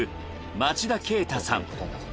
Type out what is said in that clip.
町田啓太さん。